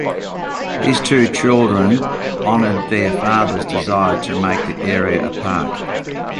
His two children honored their father's desire to make the area a park.